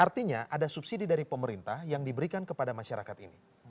artinya ada subsidi dari pemerintah yang diberikan kepada masyarakat ini